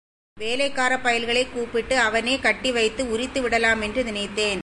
வேலைக்காரப் பயல்களைக் கூப்பிட்டு அவனைக் கட்டிவைத்து உரித்துவிடலாமென்று நினைத்தேன்.